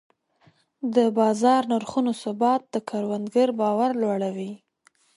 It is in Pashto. د بازار نرخونو ثبات د کروندګر باور لوړوي.